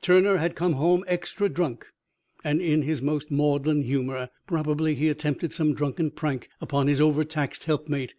Turner had come home extra drunk and in his most maudlin humor. Probably he attempted some drunken prank upon his over taxed helpmate.